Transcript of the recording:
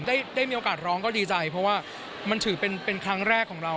ได้มีโอกาสร้องก็ดีใจเพราะว่ามันถือเป็นครั้งแรกของเรา